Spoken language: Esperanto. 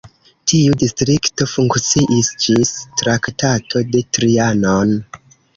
Tiu distrikto funkciis ĝis Traktato de Trianon.